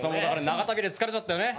長旅で疲れちゃったよね。